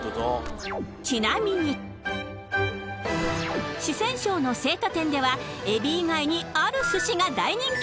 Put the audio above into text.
ちなみに、四川省の成都店ではえび以外にある寿司が大人気。